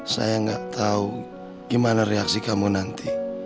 saya gak tau gimana reaksi kamu nanti